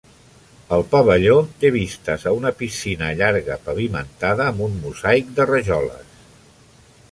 El pavelló té vistes a una piscina llarga pavimentada amb un mosaic de rajoles.